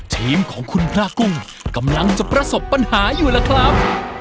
ทีมของคุณพระกุ้งกำลังจะประสบปัญหาอยู่ล่ะครับ